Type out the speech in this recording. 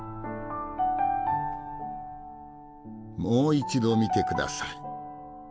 もう一度見てください。